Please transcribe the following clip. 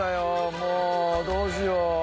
もうどうしよう。